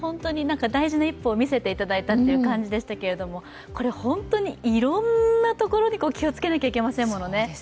大事な一歩を見せていただいたという感じですけど本当にいろんなところに気をつけなきゃいけませんものね。